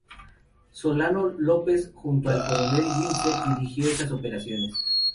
Solano López junto al coronel Wisner dirigió esas operaciones.